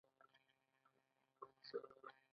ځپل او شکنجه فرد ته زیان رسوي.